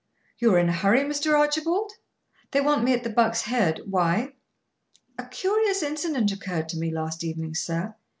"You are in a hurry, Mr. Archibald?" "They want me at the Buck's Head. Why?" "A curious incident occurred to me last evening, sir.